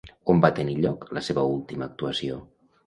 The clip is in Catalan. On va tenir lloc la seva última actuació?